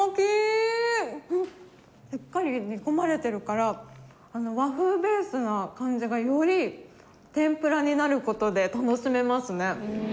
しっかり煮込まれてるから和風ベースな感じがより天ぷらになる事で楽しめますね。